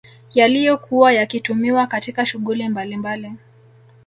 Yaliyokuwa yakitumiwa katika shughuli mbalimbali